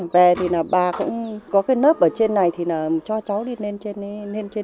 về thì là bà cũng có cái lớp ở trên này thì là cho cháu lên trên đó